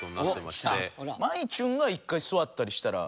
まいちゅんが一回座ったりしたら。